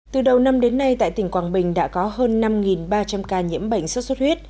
từ đầu năm đến nay tại tỉnh quảng bình đã có hơn năm ba trăm linh ca nhiễm bệnh xuất xuất huyết